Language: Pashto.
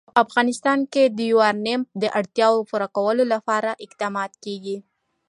په افغانستان کې د یورانیم د اړتیاوو پوره کولو لپاره اقدامات کېږي.